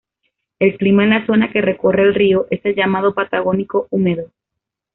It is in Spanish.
El clima en la zona que recorre el río es el llamado Patagónico húmedo.